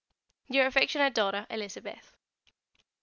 Your affectionate daughter, Elizabeth.